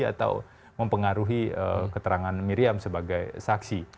atau mempengaruhi keterangan miriam sebagai saksi